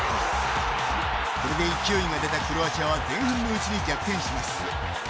これで勢いが出たクロアチアは前半のうちに逆転します。